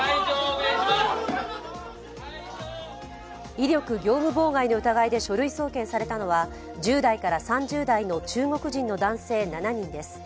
威力業務妨害の疑いで書類送検されたのは１０代から３０代の中国人の男性７人です。